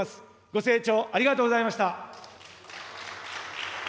ご清聴ありがとうございました。